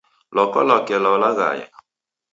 Lwaka lwake lwalaghaya